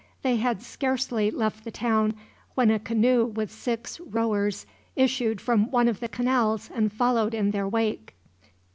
They had scarcely left the town, when a canoe with six rowers issued from one of the canals and followed in their wake.